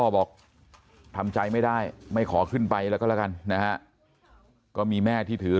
บอกทำใจไม่ได้ไม่ขอขึ้นไปแล้วก็แล้วกันนะฮะก็มีแม่ที่ถือ